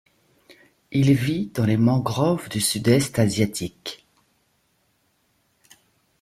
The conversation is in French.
Il vit dans les mangroves du sud-est asiatique.